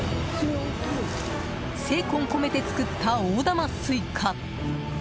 精魂込めて作った大玉スイカ。